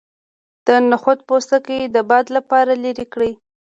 د نخود پوستکی د باد لپاره لرې کړئ